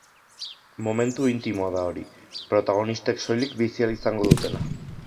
Momentu intimoa da hori, protagonistek soilik bizi ahal izango dutena.